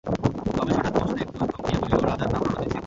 রমেশ হঠাৎ প্রশ্নে একটু থমকিয়া বলিল, রাজার নাম রণজিৎ সিং।